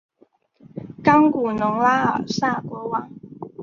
冈古农拉尔萨国王。